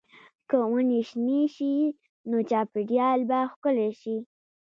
که ونې شنې شي، نو چاپېریال به ښکلی شي.